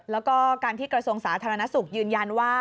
แล้วก็การที่กระทรวงสาธารณสุขยืนยันว่า